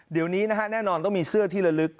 เดี๋ยวนี้นะฮะแน่นอนต้องมีเสื้อที่ละลึก